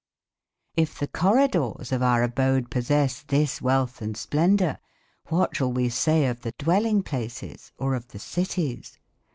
If the corridors of our abode possess this wealth and splendour, what shall we say of the dwelling places, or of the cities?